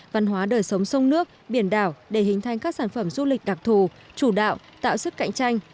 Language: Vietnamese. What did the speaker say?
văn hóa đời sống sông nước biển đảo để hình thành các sản phẩm du lịch đặc thù chủ đạo tạo sức cạnh tranh